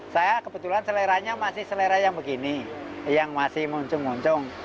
saya kebetulan seleranya masih selera yang begini yang masih moncong moncong